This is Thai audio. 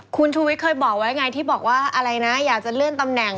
คุณชูวิทย์เคยบอกไว้ไงที่บอกว่าอะไรนะอยากจะเลื่อนตำแหน่ง